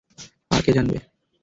আর কে জানবে?